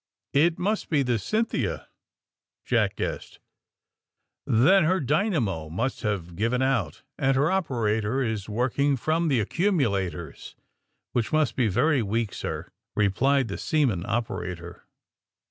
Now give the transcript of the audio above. ^*It must be the 'Cynthia,' " Jack guessed. Then her dynamo must have given out, and a 118 THE SUBMAEINE BOYS lier operator is working from the accnmnlators^ which must be very weak, sir/' replied the sea man operator.